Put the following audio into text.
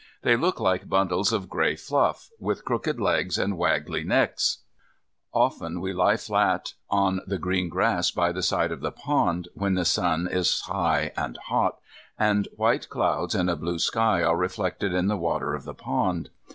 They look like bundles of grey fluff, with crooked legs and waggly necks. Often we lie flat on the green grass by the side of the pond, when the sun is high and hot, and white clouds and a blue sky are reflected in the water of the pond.